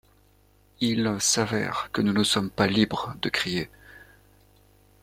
Il s'avère que nous ne sommes pas libres de crier.